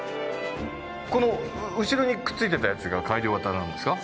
この後ろにくっついてたやつが改良型なんですか？